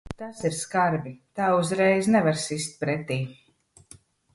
Tas ir skarbi. Tā uzreiz nevar sist pretī.